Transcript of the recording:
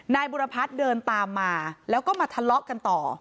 นายบุรพัฒน์เดินตามมาแล้วก็มาทะเลาะกันต่อ